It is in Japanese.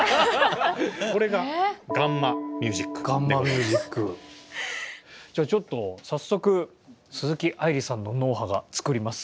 これがじゃあちょっと早速鈴木愛理さんの脳波がつくります